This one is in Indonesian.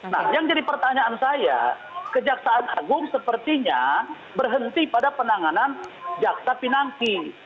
nah yang jadi pertanyaan saya kejaksaan agung sepertinya berhenti pada penanganan jaksa pinangki